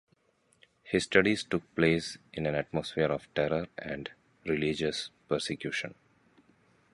His studies took place in an atmosphere of terror and religious persecution.